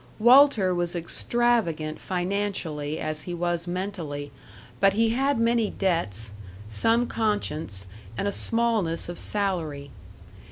Walter was extravagant financially as he was mentally, but he had many debts, some conscience, and a smallness of salary.